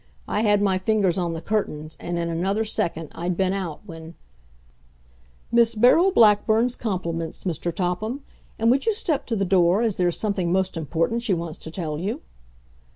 I had my fingers on the curtains, and in another second I'd been out when "Miss Beryl Blackburn's compliments, Mr. Topham, and would you step to the door, as there's something most important she wants to tell you."